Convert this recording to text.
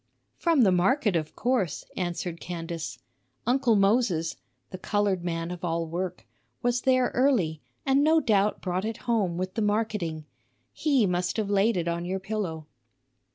"From the market, of course," answered Candace. "Uncle Moses" (the colored man of all work) "was there early, and no doubt brought it home with the marketing. He must have laid it on your pillow."